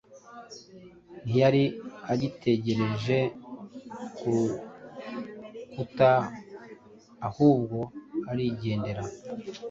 Ntiyari agitegereje kurukutaahubwo arigendera